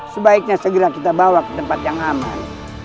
sebaiknya segera kita bawa ke tempat yang aman